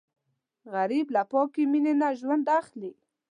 غریب له پاکې مینې نه ژوند اخلي